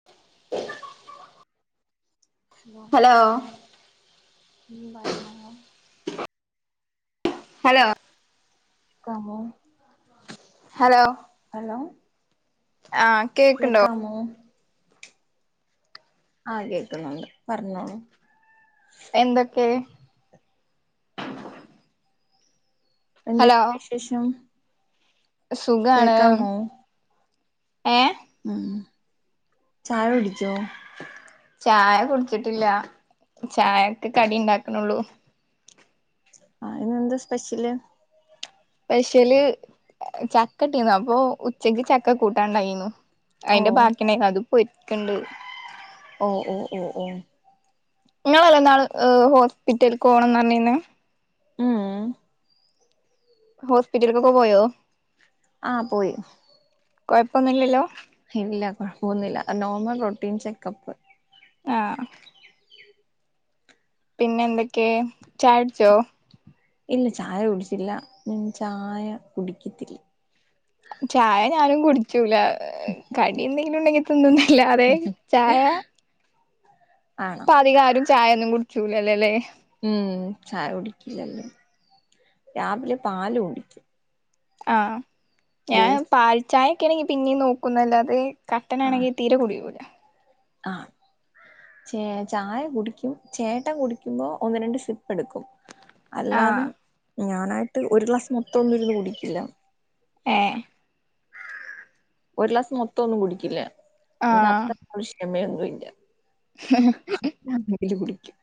[unintelligible] Hello ഒന്നും പർഞ്ഞോ hello ക്കാമോ ഹലോ ഹലോ ആഹ് കേക്കാമോ ആഹ് കേക്കുന്നുണ്ട് പർഞ്ഞോളു എന്തൊക്കെ ഹലോ എന്തെക്കെണ്ട് വിശേഷം സുഖാണ് കേക്കാമോ ഏഹ് ഉം ചായ കുടിച്ചോ ചായ കുട്ച്ചിട്ടില്ല ചായക്ക് കടി ഇണ്ടാക്ക്ണൊള്ളൂ ആഹ് ഇന്നെന്താ സ്പെഷ്യല് സ്പെഷ്യല് ചക്കട്ടീനു അപ്പൊ ഉച്ചക്ക് ചക്ക കൂട്ടാണ്ടായിനു ഓ അയിന്റെ ബാക്കിണ്ടായിനു അത് പൊരിക്ക്ണ്ട് ഓഹ് ഓഹ് ഓഹ് ഓഹ് ഇങ്ങളല്ലേ ന്നാള് ഹ് ഹോസ്പിറ്റൽക്ക് പോണംന്ന് പർഞ്ഞീന്നേ ഉം ഹോസ്പിറ്റൽക്കൊക്കെ പോയോ ആഹ് പോയി കൊയ്പ്പൊന്നുല്ലല്ലോ ഇല്ല കൊഴപ്പൊന്നുല്ല നോർമൽ റോട്ടീൻ ചെക്കപ്പ് ആഹ് പിന്നെ എന്തൊക്കെ ചായട്ച്ചോ ഇല്ല ചായ കുടിച്ചില്ല ഞാൻ ചായ കുടിക്കത്തില്ല ചായ ഞാനും കുട്ച്ചൂല കടി എന്തെങ്കിലും ഉണ്ടങ്കിൽ തിന്നുന്നല്ലാതെ ചായ ആഹ് ഇപ്പ അധികാരും ചായൊന്നും കുടിക്ക്യൂലല്ല ലേ ഉം ചായ കുടിക്കില്ലല്ലോ രാവിലെ പാല് കുടിക്കും ആഹ് ഞാൻ ബൂസ് പാൽച്ചായൊക്കെ ആണങ്കി പിന്നിം നോക്കുന്നല്ലാതെ ആഹ് കട്ടനാണങ്കിൽ തീരെ കുടികൂല ആഹ് ചേ ചായ കുടിക്കും ചേട്ടൻ കുടിയ്ക്കുമ്പൊ ഒന്ന് രണ്ട് സിപ്പ് എടുക്കും അല്ലാതെ ആഹ് ഞാനായിട്ട് ഒരു ഒര് ഗ്ലാസ് മൊത്തം ഒന്നും ഇരുന്ന് കുടിക്കില്ല ഏഹ് ഒര്ഗ്ലാസ് മൊത്തൊന്നും കുട്ക്കില്ല എന്ക്ക് ആഹ് അത്ര ക്കിശ്ട്ടമേയൊന്നുമില്ല ഞാൻ ന്തെങ്കിലും കുടിക്കും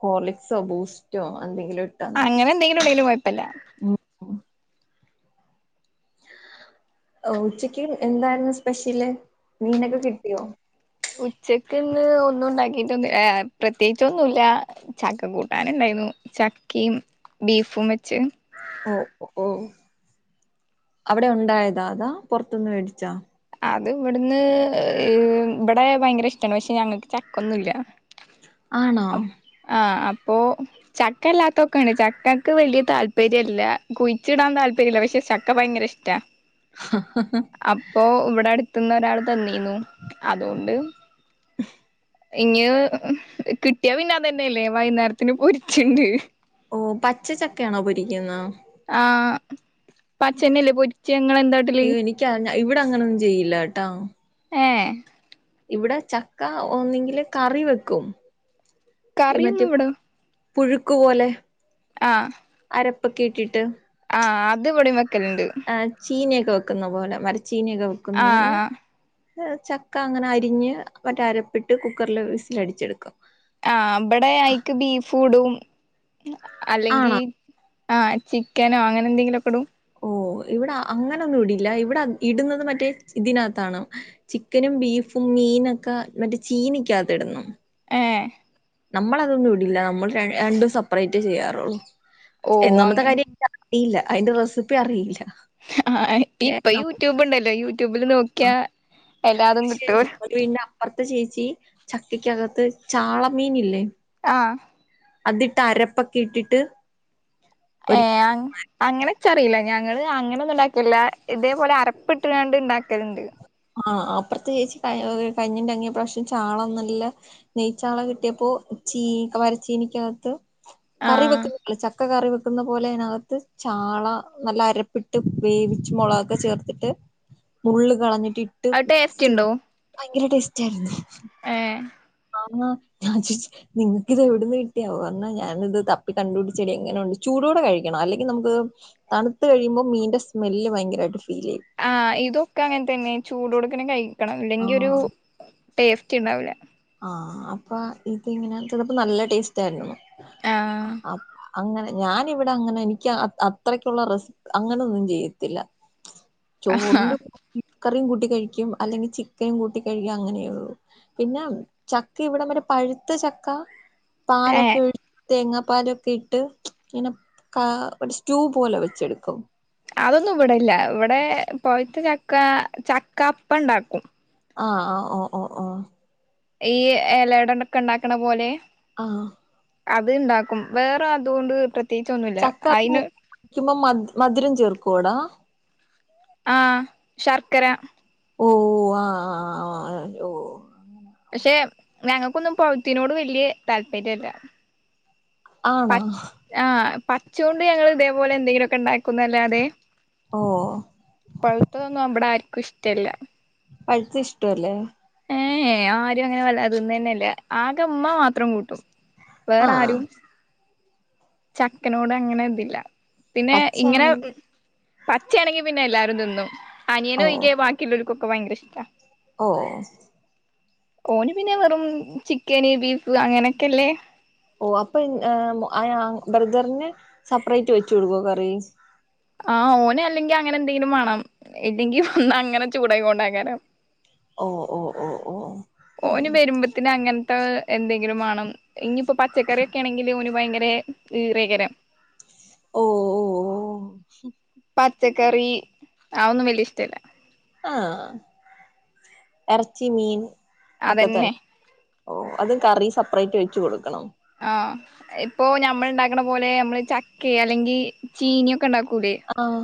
ഹോർളിക്സോ ബൂസ്റ്റോ അന്തെങ്കിലൊ ആഹ് അങ്ങനെന്തെങ്കിലും ഉണ്ടെങ്കില് കൊയ്പ്പല്ല ഉം എഹ് ഉച്ചെയ്ക്ക് എന്തായിര്ന്നു സ്പെഷ്യല് മീനക്കെ കിട്ടിയോ ഉച്ചക്ക് ഇന്ന് ഒന്നും ഇണ്ടാക്കീട്ടൊന്നും ഏഹ് പ്രത്യേകിച്ചൊന്നുല്ല്യാ ചക്കക്കൂട്ടാന് ഇണ്ടായ്ന്നു ചക്കിം ബീഫും വെച്ചെത് ഓഹ് ഒഹ് ഓഹ് അവ്ടെ ഉണ്ടായതാ അതാ പൊറ്ത്ത്ന്ന് വേടിച്ചാ അത് ഇവ്ട്ന്ന് എഹ് ഇവ് ബടെ ഭയങ്കെരെ ഇഷ്ട്ടാണ് പക്ഷെ ഞങ്ങക്ക് ചക്കൊന്നു ഇല്ല്യ ആണോ ആഹ് അപ്പോ ചക്ക അല്ലാത്തൊക്കെണ്ട് ചക്കക്ക് വല്യതാല്പര്യല്ല കുയിച്ച്ടാൻ താല്പര്യല്ല പക്ഷെ ചക്ക ഭയ്ങ്കര ഇഷ് റ്റാ ഹഹഹ് അപ്പോ ഇവ്ടഅട്ത്ത്ന്ന് ഒരാൾതന്നീന്നു അത്കൊണ്ട് ഇങ് ക്കിട്ട്യാ പിന്നെ അതെന്നെ അല്ലെ വൈന്നേരത്തിന് പൊര്ച്ച്ണ്ട് ഓഹ് പച്ചച്ചക്കയാണോ പൊരിക്ക്ന്ന് ആഹ് പ്പച്ചെന്നെല്ലേ പൊര്ച്ചാ ഇങ്ങളെന്താട്ടല് ഇൻക്കറീല ഇവ്ടെ അങ്ങനൊന്നും ചെയ്യില്ല കെട്ടോ ഏഹ് ഇവ്ടെ ചക്ക ഒന്നെങ്കില് ക്കറിവെക്കും ഇ കറിയൊന്നും മറ്റെ ഇവിടെ പുഴുക്ക്പോലെ ആഹ് അരപ്പ് ഒക്കെ ഇട്ടിട്ട് ആഹ്അത് ഇവടിം വെക്കല്ണ്ട് എഹ് ചീനിയൊക്കെ വെക്ക്ന്നപോലെ മര്ച്ചീനിയെക്കെ വെക്ക്ന്നപോലെ ആഹ് ഇഹ് ചക്ക അങ്ങനെ അരിഞ്ഞ് മറ്റേഅരപ്പിട്ട് കുക്കർല് വിസ് ല് അടിച്ചെടുക്കും ആഹ് ഇബടെഅയ്ക്ക് ബീഫൂടും അല്ലെങ്കീ ആണോ ആഹ് ചിക്കനോ അങ്ങനെ എന്തെങ്കിലൊക്കെടും ഓഹ് ഇവ്ടാ അങ്ങനൊന്നും ഇടില്ല ഇവിടാഇടുന്നത് മറ്റേ ഇതിനകത്താണ് ചിക്കനും ബീഫും മീനക്കാ മറ്റേ ചീനിക്ക്യാത്തിട്ണം ഏഹ് ന്നമ്മളതൊന്നും ഇടില്ല ന്നമ്മൾ ര രണ്ടും സപ്പ്റേറ്റ് ചെയ്യാറൊള്ളൂ ഓ എന്നാമത്തെ അങ്ങനെ കാര്യ റിയില്ല അയ്ന്റെ റെസിപ്പിഅറിയില്ല അഹ് ആഹ് ആഹ് ഇപ്പൊ യൂട്യൂബ് ഇണ്ടല്ലോ യൂട്യൂബില് നോക് ആഹ് ശെരി [unintelligible] ന്നാ അപ്പർത്തെ ചേച്ചി ചക്ക്യക്കകത്ത് ചാളമീനില്ലേ ആഹ് അതിട്ട് അരപ്പൊക്കെ ഇട്ടിട്ട് ഒരി ഏഹ് അങ്ങ് അങ്ങ്നെച്ചറീല ഞങ്ള് അങ്ങ്നൊന്നും ഉണ്ടാക്കൂല്ല ഇതേപോലെ അരപ്പ്ട്ട് ക്കാണ്ട് ഇണ്ടാക്കല്ണ്ട് ആഹ് അപ്പ്രത്തേചേച്ചി കഞ്ഞി [unintelligible] പ്രാശി ചാളന്നുല്ല നെയ്ച്ചാള കിട്ടിയപ്പോ ചീ വരച്ചീനിക്ക്വകത്ത്കറി ആഹ് വെക്ക് ചക്കകറിവെക്കുന്ന പോലെ അത് നകത്ത്ചാളനല്ല അരപ്പിട്ട് വേവിച്ച് മുളകൊച്ചേ ഇട്ട് മുള്ള്കള്ഞ്ഞ്ട്ട് അത് ടേസ്റ്റ് ഉണ്ടോ ഇട്ട്മിക്സ്ചെയ്ഭയ്ങ്കെര ടെസ്റ്റ് ആയിരുന്നു ഏഹ് [unintelligible] നിങ്ങ്ക്ക്ത് എവിട്ന്ന് കിട്ട്വാവോഅന്ന് ഞാനിത് തപ്പി കണ്ട്പ്ട്ച്ചെടി എങ്ങനെ ഉണ്ട് ചൂടോടെ കഴിക്കണം അല്ലെങ്കി ന്നമുക്ക് തണുത്ത്കഴിയുമ്പം മീൻന്റെസ്മെല്ല് ഭയ്ങ്കെരായ്ട്ട് ഫീലെയ്യും ആഹ് ഇതൊക്കെ അങ്ങൻതന്നെ ചൂടോട്ക്കന്നെ കഴിക്കണം ഇല്ലെങ്കിൽ ഒരു ആഹ് ടേസ്റ്റ്ണ്ടാവൂല്ല ആഹ് അപ്പ ഇതിങ്ങനെ ചിലപ്പോ നല്ല ടേസ്റ്റ് ആയിരുന്നു ആഹ് അങ്ങനെ ഞാനിവിടെ അങ്ങനെ എനിക്ക് അത്രയ്ക്കുള്ള റെസ് അങ്ങനൊന്നും ചെയ്യത്തില്ല ആഹ് ചോറ്ണ്ട് ഇക്കറിയും കൂട്ടി കഴിക്കും അല്ലെങ്കി ചിക്കനും കൂട്ടി കഴിക്കും അങ്ങനെയള്ളൂ പിന്നെ ചക്ക ഇവിടേം വരെ പഴുത്ത ചക്ക ഏഹ് പാലക്കെ ഒഴി തേങ്ങാപ്പാലൊക്കെ ഇട്ട് ഇനെ കാ ഒരു സ്റ്റൂ പോലെ വെച്ചെടുക്കും അതൊന്നും ഇവിടെല്ല ഇവിടെ പോയിത്ത് ചക്ക ചക്കപ്പണ്ടാക്കും ആഹ് ആഹ് ഓഹ് ഓഹ് ഓഹ് ഈ ഇലടണ്ടൊക്കെ ണ്ടാക്കണ പോലെ ആഹ് അത്ണ്ടാക്കും വേറെ അതുകൊണ്ട് ട്രി ചക്കപ്പ ക്കുമ്പോ മ മധുരം ചേർക്കോടാ ആഹ് ശർക്കര ഓഹ് ആഹ് ആഹ് ആഹ് ആഹ് ഓഹ് ക്ഷെ ഞങ്ങൾക്കൊന്നും പൗതെയ്നോട് വല്യ താല്പര്യല്ല ആണോ പച് ആഹ് പച്ചൊണ്ട് ഞങ്ങൾ ഇതേപോലെ എന്തെങ്കിലൊക്കെ ണ്ടാക്കുന്നല്ലാതെ ഓ പഴുത്തതൊന്നും നമ്മടെ ആർക്കും ഇഷ്ടല്ല പഴുത്തെ ഇഷ്ട അല്ലേ ഏഹ് ഏഹ് ആരും അങ്ങനെ വല്ലാ തിന്നെന്നെല്ലാ ആകെ ഉമ്മ മാത്രം കൂട്ടും വേറ ആഹ് ആരും ചക്കനോട് അങ്ങനെ ഇതില്ല പിന്നെ ഇങ്ങനെ പച്ചയാണെങ്കി പച്ചയാണെങ്കി പിന്നെ എല്ലാരും തിന്നും ഓ അനിയനോ ഒയികേ ബാക്കിയുള്ളവർക്കുംഒക്കെ ഭയങ്കര ഇഷ്ടാ ഓഹ് ഓന് പിന്നെ വെറും ചിക്കന് ബീഫ് അങ്ങനെയൊക്കെല്ലേ ഓഹ് അപ്പൊ ആ ബ്രദറിന് സെപ്പറേറ്റ് വെച്ചു കൊടുക്കോ കറി ആഹ് ഓന് അല്ലെങ്കി അങ്ങനെ എന്തെങ്കിലും വേണം ഇല്ലെങ്കിൽ വന്ന് അങ്ങനെ ചൂടായി കൊണ്ടാക്കാരം ഓ ഓ ഓ ഓ ഓന് വരുമ്പോത്തിന് അങ്ങൻത്തെ എന്തെങ്കിലും വേണം ഇനിയിപ്പോ പച്ചക്കറിയൊക്കെ ആണെങ്കിൽ ഓന് ഭയങ്കര ഈറയ്കരം ഓഹ് ഓഹ് ഓഹ് പച്ചക്കറി ആന്നും വല്യ ഇഷ്ടല്ല ആഹ് ഇറച്ചി മീൻ ഒക്കെ തന്നെ അതന്നെ ഓഹ് അതും കറി സെപ്പറേറ്റ് വെച്ച് കൊടുക്കണം ആഹ് ഇപ്പൊ ഞമ്മൾ ഉണ്ടാക്കണ പോലെ നമ്മള് ചക്ക അല്ലെങ്കി ചീനിയൊക്കെണ്ടാക്കൂലേ ആഹ്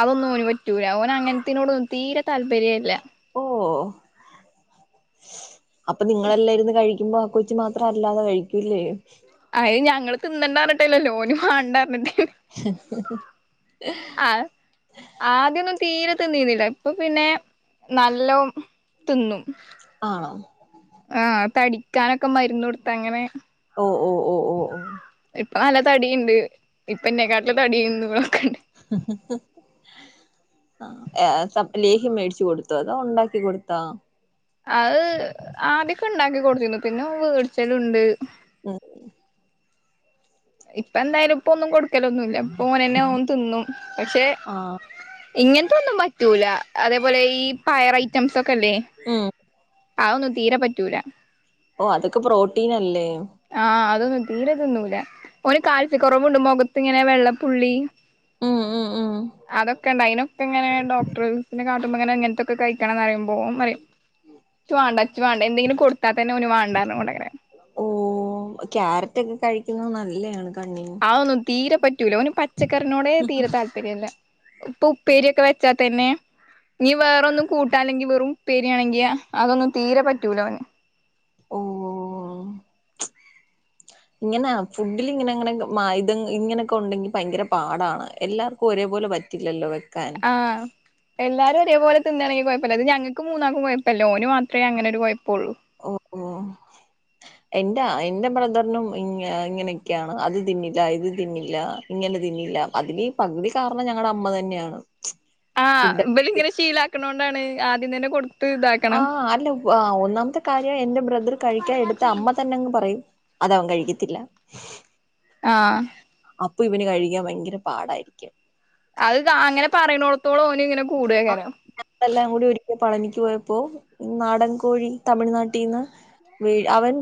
അതൊന്നും ഓന് പറ്റൂല ഓന് അങ്ങൻത്തയ്നോടൊന്നും തീരെ താല്പര്യല്ല ഓഹ് അപ്പൊ നിങ്ങളെല്ല ഇരുന്ന് കഴി ക്കുമ്പോ ആ കൊച്ചു മാത്രം അല്ലാതെ കഴിക്കൂല്ലേ അഹ് ഞങ്ങള് തിന്നണ്ടരിട്ടേല്ലോ ഓന് വണണ്ടർഞ്ഞിട്ടേ [unintelligible] ആഹ് ആദ്യൊന്നും ത്തിരെ നീന്നിനില ഇപ്പൊ പിന്നെ നലോം തിന്നും ആണോ ആഹ് തടിക്കാനൊക്കെ മരുന്ന് കൊടുത്ത് അങ്ങനെ ഓഹ് ഓഹ് ഇപ്പൊ നല്ല തടിയിണ്ട് ഇപ്പൊഎനെക്കാട്ടില് തടിന്നൊക്കണ്ടെ [unintelligible] ആഹ് അഹ് സപ ലേഹ്യം മേടിച്ചു കൊടുത്തെ അതോ ഉണ്ടാക്കി കൊടുത്താ അഹ് ആദ്യക്കെ ഇണ്ടാക്കി കൊടുത്തിന്നു പിന്നെ അഹ് വേടിച്ചൽണ്ട് ഉം ഇപ്പ എന്തായാലും ഇപ്പൊ ഒന്നും കൊടുക്കലൊന്നും ഇല്ല ഇപ്പൊ ഓനന്നെ ഓൻ തിന്നും പക്ഷെ ആഹ് ഇങ്ങനത്തൊന്നും പറ്റൂല അതേപോലെ ഈ പയർ ഐറ്റംസ് ഒക്കെ ഇല്ലേ ഉം അഹെന്നും തീരെ പറ്റൂല ഓഹ് അതൊക്കെ പ്രോട്ടീൻ അല്ലേ ആഹ് അതൊന്നും തീരെ തിന്നൂല്ല ഓന് കാൽസ്യ കുറവുണ്ട് മുഖത്ത് ഇങ്ങനെ വെള്ളപ്പുള്ളി ഉം ഉം ഉം അതൊക്കെണ്ട് അയിനൊക്കെങ്ങനെ ഡോക്ടേഴ്സിനെ കാട്ടുമ്പോ അങ്ങനെ അങ്ങനെത്തെയൊക്കെ കഴിക്കണം പറയും ഓൻ പറിം ഇച്ചു വണ്ട ഇച്ചു വണ്ട എന്തെങ്കിലും കൊടുത്താ തന്നെ ഓന് വണ്ടാർന്ന് കൊണ്ടകാരം ഓഹ് ക്യാരറ്റ് ഒക്കെ കഴിക്കുന്നത് നല്ലതാണ് കണ്ണിന് അഹേന്നും തീരെ പറ്റൂല ഓന് പച്ചക്കറിനോടെ തീരെ താൽപ ര്യല്ല ഇപ്പൊ ഉപ്പേരി ഒക്കെ വെച്ചാൽ തന്നെ ഇനി വേറൊന്നും കൂട്ടാല്ലെങ്കി വെറും ഉപ്പേരിയാണെങ്കിൽ അതൊന്നും തീരെ പറ്റൂല ഓന് ഓ [inaudible] ഇങ്ങനെ ഫുഡിൽ ഇങ്ങനെ ഇങ്ങനെ മയുധം ഇങ്ങനെയൊക്കെ ഉണ്ടെങ്കിൽ ഭയങ്കര പാടാണ് എല്ലാർക്കും ഒരേപോലെ പറ്റ- പറ്റില്ലല്ലോ വെക്കാൻ ആഹ് എല്ലാരും ഒരേപോലെ തിന്നാണെങ്കിൽ കൊഴപ്പല്ല ഇത് ഞങ്ങൾക്ക് മൂന്നാക്കും കൊഴപ്പല്ല ഓന് മാത്രമേ അങ്ങനെ ഒരു കൊഴപ്പുള്ളൂ ഓ ഓ [inaudible] എന്റെ എൻ്റെ ബ്രദറിനും ഇങ്ങ ഇങ്ങനൊക്കെയാണ് അത് തിന്നില്ല ഇത് തിന്നില്ല ഇങ്ങനെ തിന്നില്ല അതില് പകുതി കാരണം ഞങ്ങളുടെ അമ്മ തന്നെയാണ് ആഹ് ഫുഡൊക്കെ ഇബല് ഇങ്ങനെ എടു ശീലാക്കണോണ്ടാണ് ആദ്യം തന്നെ കൊടു- ആഹ് അല്ല പെ ഒന്നാമത്തെ കാര്യം എൻ്റെ ബ്രദർ കഴിക്കാൻ എടുത്ത അമ്മ തന്നെങ്ങ് പറയും അത് അവൻ കഴിക്കത്തില്ല ആഹ് അപ്പൊ ഇവന് കഴിക്കാൻ ഭയങ്കര പാടായിരിക്കും അഹ്കാ അങ്ങനെ പറയണോടത്തോളം ഓന് ഇങ്ങനെ കൂടെക്കാരം ഞങ്ങളെല്ലാം കൂടി ഒരിക്കൽ പളനിക്ക് പോയപ്പോ ഈ നാടൻ കോഴി തമിഴ്നാട്ടീന്ന് ഇ അവൻ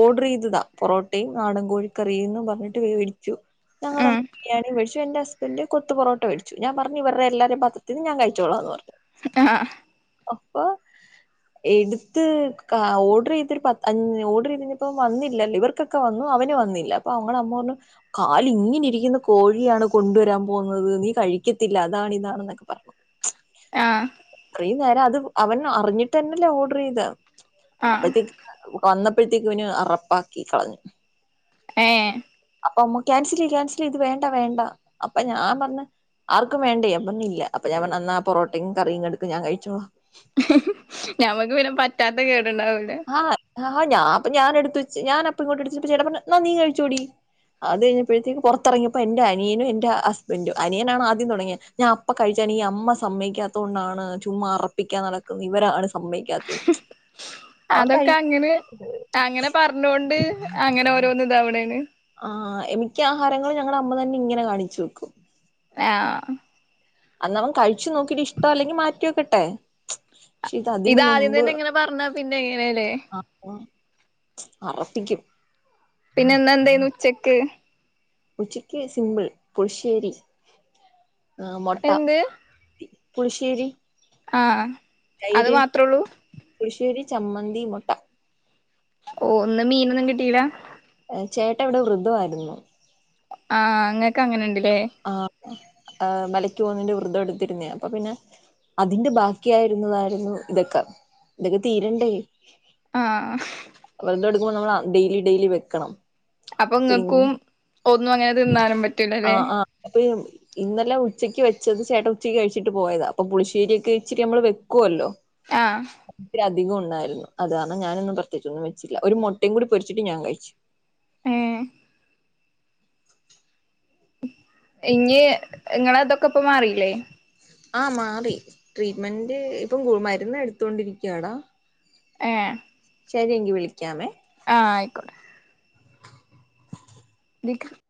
ഓർഡർ ചെയ്തതാ പൊറോട്ടയും നാടൻ കോഴിക്കറി എന്നു പറഞ്ഞിട്ട് വേടി ച്ചു ഞങ്ങൾ ഉം അന്ന് ബിരിയാണി മേടിച്ചു എന്റെ ഹസ്ബൻറ് കൊത്ത് പൊറോട്ട മേടിച്ചു ഞാൻ പറഞ്ഞു ഇവരുടെല്ലാരും പാത്രത്തീന്ന് ഞാൻ കഴിച്ചോള എന്ന് പറഞ്ഞു ആഹ് അഹ് അപ്പൊ എടുത്ത് ഓർഡർ ചെയ്ത് ഒരു പത്ത് [unintelligible] ഓർഡർ ചെയ്ത് കഴിഞ്ഞപ്പോ വന്നില്ലല്ലോ ഇവർ ഇവർക്കൊക്കെ വന്നു അവന് വന്നില്ല അപ്പൊ നമ്മളെ അമ്മ പറഞ്ഞു കാല് ഇങ്ങനെ ഇരിക്കുന്ന കോഴിയാണ് കൊണ്ടുവരാൻ പോകുന്നത് നീ കഴിക്കത്തില്ല അതാണ് ഇതാണെന്നൊക്കെ പറഞ്ഞു ആ അത്രേനേരം അത് അവൻ അറിഞ്ഞിട്ട് തന്നെല്ലേ ഓർഡർ ചെയ്തെ ആഹ് അപ്പത്തേക്ക് വന്നപ്പോഴത്തേക്ക് ഓന് അറപ്പാക്കി കളഞ്ഞു ഏ അപ്പൊ അമ്മ ക്യാൻസൽ ചെയ്യ് ക്യാൻസൽ ചെയ്യ് വേണ്ട വേണ്ട അപ്പൊ ഞാൻ പറഞ്ഞു ആർക്കും വേണ്ടേ അപ്പൊന്ന ഇല്ല അപ്പൊ ഞാൻ ഇന്നാ പൊറോട്ടയും കറിയും എടുക്ക് ഞാൻ കഴിച്ചോളാം ഞമ്മക്ക് പിന്നെ പറ്റാത്ത കേടുണ്ടാവൂലേ ആ ഞാൻ അപ്പൊ ഞാനെടുത്തു വെച്ചു ഞാൻപ്പ ഇങ്ങോട്ട എടുത്ത് വച്ചപ്പോ ചേട്ടൻ അപ്പ പറഞ്ഞു നീ കഴിച്ചോടി അത് കഴിഞ്ഞപ്പോഴത്തേക്ക് പുറത്തിറങ്ങിയപ്പോ എന്റെ അനിയനും എന്റെ ഹസ്ബൻ്റും അനിയനാണ് ആദ്യം തുടങ്ങിയത് ഞാൻ അപ്പ കഴിച്ചേനെ ഈ അമ്മ സമ്മയിക്കാത്ത കൊണ്ടാണ് ചുമ്മ അറപ്പിക്കാൻ നടക്കുന്നത് ഇവരാണ് സമായികാത്തത് അതൊക്കെ അങ്ങനെ അങ്ങനെ പറഞ്ഞൊണ്ട് അങ്ങനെ ഓരോന്ന് ഇതാവണ് ആ എനിക്ക് ആഹാരങ്ങള് ഞങ്ങളെ അമ്മ തന്നെ ഇങ്ങനെ കാണിച്ചു വെക്കും [unintelligible] അന്ന് അവൻ കഴിച്ചു നോക്കിട്ട് ഇഷ്ടം അല്ലെങ്കി മാറ്റിവെക്കട്ടെ പക്ഷെ ഇത് അതിന് ഇതാദ്യം മുമ്പ് തന്നെ ഇങ്ങനെ പറഞ്ഞാ പിന്നെ എങ്ങനെല്ലേ ആ അറപ്പിക്കും പിന്നെ ഇന്ന് എന്തെയ്നു ഉച്ചക്ക് ഉച്ചക്ക് സിമ്പിൾ പുളിശ്ശേരി ആഹ് മൊട്ട എന്ത് പുളിശ്ശേരി ആഹ് ആ തൈര് പുളിശ്ശേരി ചമ്മന്തി മൊട്ട ഒഹ് ഇന്ന് മീനൊന്നും കിട്ടീല ചേട്ടൻ ഇവടെ വൃധവായിരുന്നു. ആഹ് ഇങ്ങക്കങ്ങനെണ്ട്ലെ ആഹ് മലക്ക് പോവുന്നെന്റെ വൃധം എടുത്തിരുന്നേ അപ്പൊ പിന്നെ അതിന്റെ ബാക്കി ആയിരുന്നതായിരുന്നു ഇതൊക്കെ ഇതൊക്കെ തീരണ്ടേ ആഹ് ആ വ്രതം എടുക്കുമ്പോ നമ്മൾ ആ ഡെയിലി ഡെയിലി വെക്കണം അപ്പൊ പിൻ ഇങ്ങക്കും ഒന്നും അങ്ങനെ തിന്നാനും പറ്റ ആഹ് ആ [unintelligible] ഇന്നലെ ഉച്ചയ്ക്ക് വെച്ചത് ചേട്ടൻ ഉച്ചയ്ക്ക് കഴിച്ചിട്ട് പോയതാ അപ്പൊ പുളിശ്ശേരിയൊക്കെ ഇച്ചിരി നമ്മള് വെക്കുവല്ലോ ആഹ് ഒത്തിരി അിധികം ഉണ്ടയിരുന്നു അത് കാരണം ഞാനൊന്നും പ്രത്യേകിച്ചൊന്നും വെച്ചില്ല ഒരു മൊട്ടയും കൂടി പൊരിച്ചിട്ട് ഞാൻ കഴിച്ചു ഏഹ് ഇഞ്ഞി ഇങ്ങളതൊക്കെപ്പം മാറില്ലേ ആഹ് മാറി ട്രീറ്റ്മെന്റ് ഇപ്പം മരുന്ന് എടുത്തൊണ്ടിരിക്കാടാ ഏഹ് ശരി എങ്കിൽ വിളിക്കാമേ ആഹ് ആയിക്കോട്ടെ വിളിക്കാം